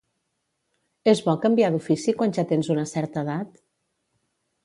És bo canviar d'ofici quan ja tens una certa edat?